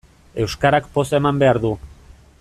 Euskarak poza eman behar du.